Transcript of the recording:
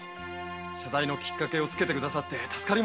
謝罪のキッカケをつけてくださって助かりました。